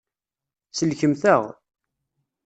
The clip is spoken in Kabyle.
Sellkemt-aɣ.